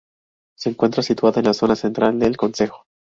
Se encuentra situada en la zona central del concejo.